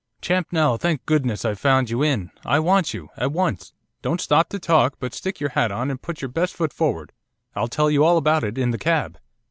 'Champnell! Thank goodness I've found you in! I want you! At once! Don't stop to talk, but stick your hat on, and put your best foot forward, I'll tell you all about it in the cab.